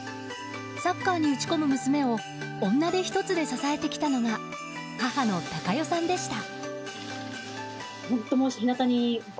サッカーに打ち込む娘を女手一つで支えてきたのが母の貴代さんでした。